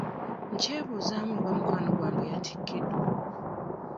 Nkyebuuzaamu oba mukwano gwange yatikiddwa.